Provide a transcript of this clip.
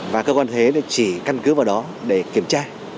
và cơ quan thuế chỉ căn cứ vào đó để kiểm tra